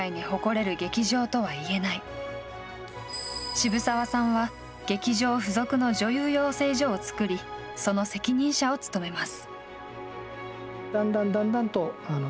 渋沢さんは劇場付属の女優養成所を作りその責任者を務めます。